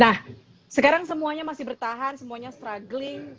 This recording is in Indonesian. nah sekarang semuanya masih bertahan semuanya struggling